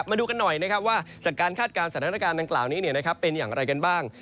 มาดูกันหน่อยนะครับว่าจากการคาดการณ์สถานการณ์ดังกล่าวนี้เป็นอย่างไรกันบ้าง